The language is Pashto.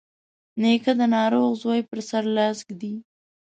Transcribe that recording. نیکه د ناروغ زوی پر سر لاس ږدي.